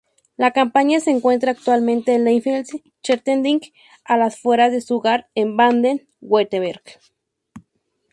La compañía se encuentra actualmente en Leinfelden-Echterdingen, a las afueras de Stuttgart, en Baden-Württemberg.